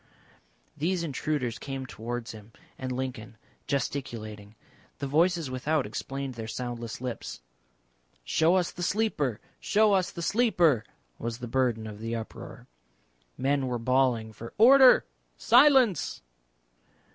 These intruders came towards him and Lincoln gesticulating. The voices without explained their soundless lips. "Show us the Sleeper, show us the Sleeper!" was the burden of the uproar. Men were bawling for "Order! Silence!"